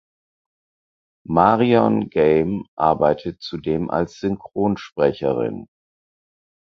Marion Game arbeitet zudem als Synchronsprecherin.